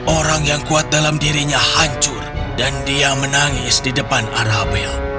orang yang kuat dalam dirinya hancur dan dia menangis di depan arabel